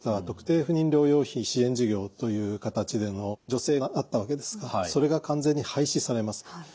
特定不妊療養費支援事業という形での助成があったわけですがそれが完全に廃止されます。